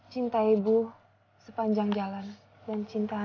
cinta itu tidak ada di dalam hati kita